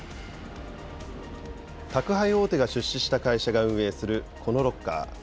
宅配大手が出資した会社が運営するこのロッカー。